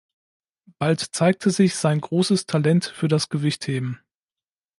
Bald zeigte sich sein großes Talent für das Gewichtheben.